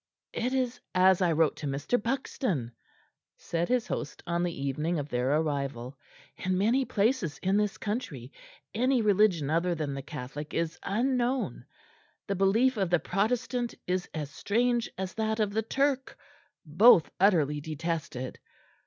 "It is as I wrote to Mr. Buxton," said his host on the evening of their arrival, "in many places in this country any religion other than the Catholic is unknown. The belief of the Protestant is as strange as that of the Turk, both utterly detested.